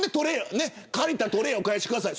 借りたトレーはお返しください